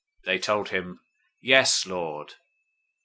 They told him, "Yes, Lord."